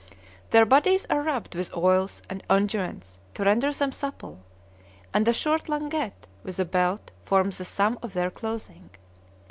Their bodies are rubbed with oils and unguents to render them supple; and a short langoutee with a belt forms the sum of their clothing.